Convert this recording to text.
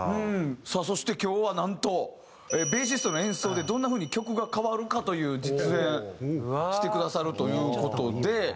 さあそして今日はなんとベーシストの演奏でどんな風に曲が変わるかという実演してくださるという事で。